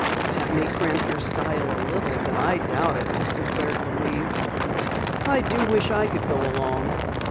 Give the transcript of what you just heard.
"That may cramp your style a little, but I doubt it," declared Louise. "I do wish I could go along."